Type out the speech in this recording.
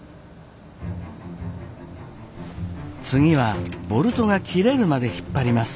次はボルトが切れるまで引っ張ります。